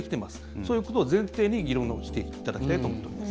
そういうことを前提に議論をしていただきたいと思っています。